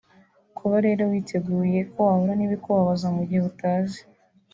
Kuba rero witeguye ko wahura n’ibikubabaza mu gihe utazi